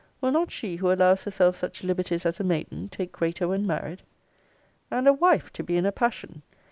Will not she who allows herself such liberties as a maiden take greater when married? And a wife to be in a passion!